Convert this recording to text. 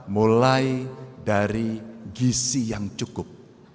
mulai dari gisi yang cukup